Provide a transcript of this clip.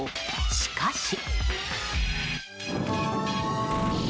しかし。